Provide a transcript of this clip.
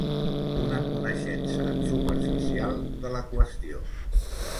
Una coneixença superficial de la qüestió.